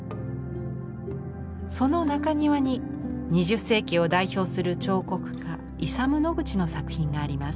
その中庭に２０世紀を代表する彫刻家イサム・ノグチの作品があります。